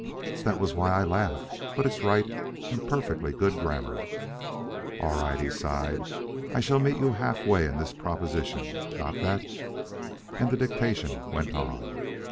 "That was why I laughed. But it is right, and perfectly good grammar." "All right," he sighed "I shall meet you halfway in this proposition got that?" And the dictation went on.